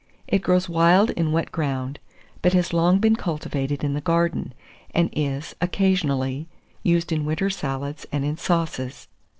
It grows wild in wet ground, but has long been cultivated in the garden, and is, occasionally, used in winter salads and in sauces.